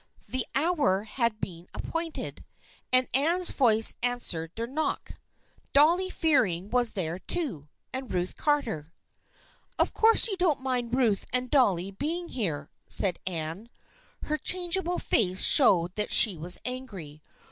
The hour had been appointed, and Anne's voice answered their knock. Dolly Fear ing was there too, and Ruth Carter. " Of course you don't mind Ruth and Dolly be ing here," said Anne. Her changeable face showed that she was angry.